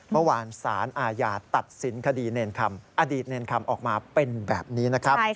เมื่อวานสารอาญาตัดสินคดีเนรคำอดีตเนรคำออกมาเป็นแบบนี้นะครับ